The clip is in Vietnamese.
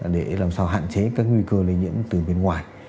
để làm sao hạn chế các nguy cơ lây nhiễm từ bên ngoài